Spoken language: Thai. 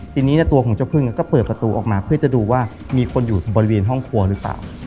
ทีนี้ตัวของเจ้าพึ่งก็เปิดประตูออกมาเพื่อจะดูว่ามีคนอยู่บริเวณห้องครัวหรือเปล่า